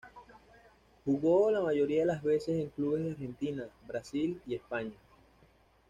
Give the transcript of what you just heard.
Jugó la mayoría de las veces en clubes de Argentina, Brasil y España.